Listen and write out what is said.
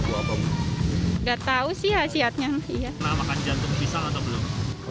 pernah makan jantung pisang atau belum